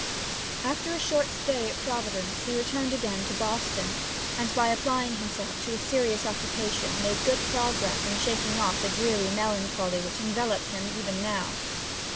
After a short stay at Providence he returned again to Boston, and by applying himself to a serious occupation made good progress in shaking off the dreary melancholy which enveloped him even now.